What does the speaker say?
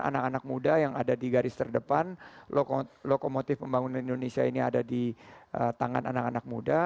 anak anak muda yang ada di garis terdepan lokomotif pembangunan indonesia ini ada di tangan anak anak muda